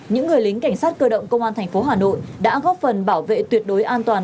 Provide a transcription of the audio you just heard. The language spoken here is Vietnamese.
những người lính cảnh sát cơ động công an thành phố hà nội đã góp phần bảo vệ tuyệt đối an toàn